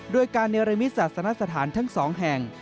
โดยการเนรมิตศาสนสถานทั้ง๒แห่ง